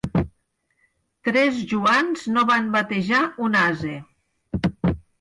Tres Joans no van batejar un ase.